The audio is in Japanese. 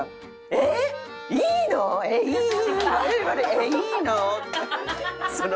「えっいいの？」。